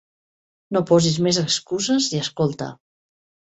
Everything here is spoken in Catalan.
No posis més excuses i escolta.